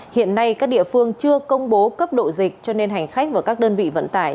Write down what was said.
hiện nay các địa phương chưa công bố cấp độ dịch cho nên hành khách và các đơn vị vận tải